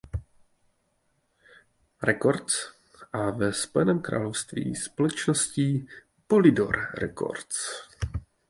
Records a ve Spojeném království společností Polydor Records.